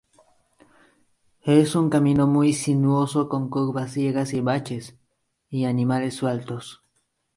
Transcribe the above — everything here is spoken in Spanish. Es un camino muy sinuoso con curvas ciegas y baches, y animales sueltos.